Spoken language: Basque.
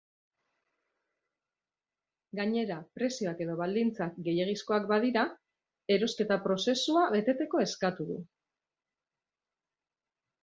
Gainera, prezioak edo baldintzak gehiegizkoak badira, erosketa prozesua eteteko eskatu du.